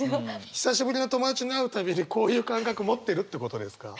久しぶりの友達に会う度にこういう感覚持ってるってことですか？